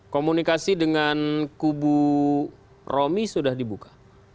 komunikasi dengan kubu romi sudah dibuka